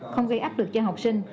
không gây áp lực cho học sinh